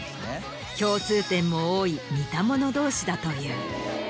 共通点も多い似た者同士だという。